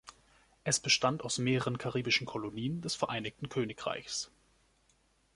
Es bestand aus mehreren karibischen Kolonien des Vereinigten Königreichs.